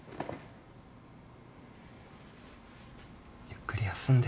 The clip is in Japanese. ゆっくり休んで。